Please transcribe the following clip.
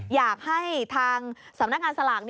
อยากให้ทางสำนักงานสลาก